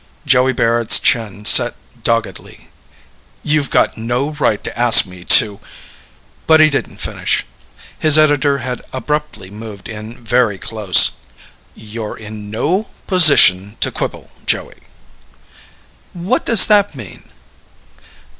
Joey Barrett's chin set doggedly. "You've got no right to ask me to...." But he didn't finish. His editor had abruptly moved in very close. "You're in no position to quibble, Joey." "What does that mean?"